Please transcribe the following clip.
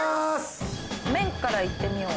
麺から行ってみよう。